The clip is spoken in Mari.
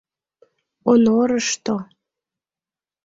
ОНОРЫШТО